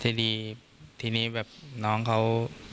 แต่ที่นี่แบบน้องเขา